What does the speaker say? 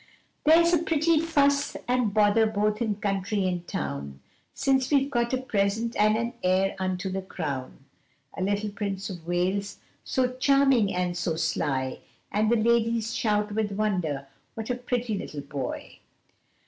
There's a pretty fuss and bother both in country and town, Since we have got a present and an heir unto the crown, A little Prince of Wales so charming and so sly, And the ladies shout with wonder, what a pretty little boy.